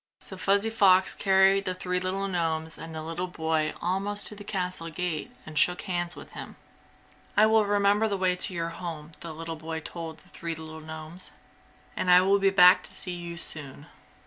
So Fuzzy Fox carried the three little gnomes and the little boy almost to the castle gate and shook hands with him. "I will remember the way to your home," the boy told the three little gnomes, "and I will be back to see you soon!"